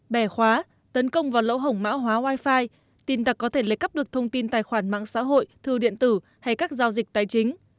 bẻ khóa tấn công vào lỗ hổng mã hóa wifi tin tặc có thể lấy cắp được thông tin tài khoản mạng xã hội thư điện tử hay các giao dịch tài chính